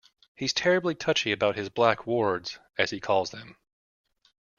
He's terribly touchy about his black wards, as he calls them.